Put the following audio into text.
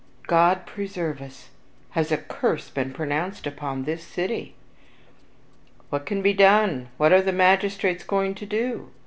"God preserve us! Has a curse been pronounced upon this city? What can be done? What are the magistrates going to do?"